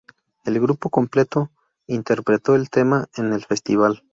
El grupo completo interpretó el tema en el festival.